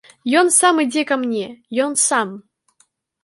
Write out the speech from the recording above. Ён сам ідзе ка мне, ён сам!